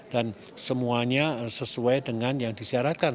dan semuanya sesuai dengan yang disyaratkan